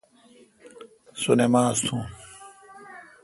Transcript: سو نماز تھون۔